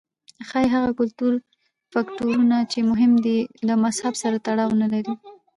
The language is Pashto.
ښايي هغه کلتوري فکټورونه چې مهم دي له مذهب سره تړاو نه لري.